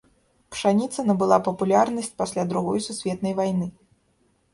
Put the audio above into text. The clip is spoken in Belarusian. Пшаніца набыла папулярнасць пасля другой сусветнай вайны.